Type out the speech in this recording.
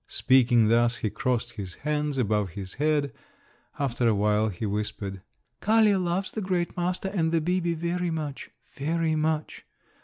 Speaking thus he crossed his hands above his head; after a while he whispered: "Kali loves the great master and the 'bibi' very much very much!"